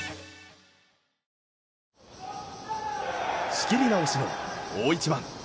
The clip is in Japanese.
仕切り直しの大一番。